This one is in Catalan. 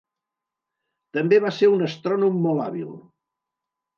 També va ser un astrònom molt hàbil.